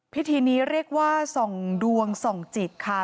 พิธีนี้เรียกว่าส่องดวงส่องจิตค่ะ